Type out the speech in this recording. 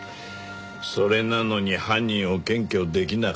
それなのに犯人を検挙できなかった。